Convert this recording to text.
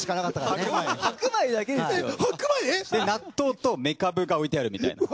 納豆とめかぶが置いてあるみたいな。